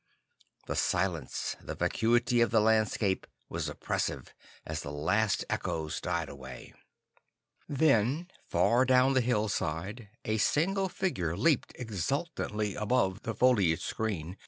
The silence, the vacuity of the landscape, was oppressive, as the last echoes died away. Then far down the hillside, a single figure leaped exultantly above the foliage screen.